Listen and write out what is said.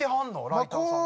ライターさんは。